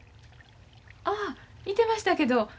ああいてましたけど。